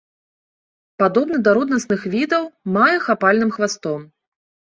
Падобны да роднасных відаў, мае хапальным хвастом.